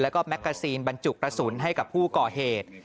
และแมกการ์ซีนบัญจุกกระสุนให้กับผู้ก่อเหตุ